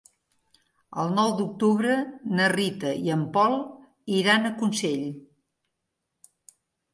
El nou d'octubre na Rita i en Pol iran a Consell.